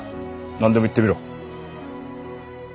なんでも言ってみろ。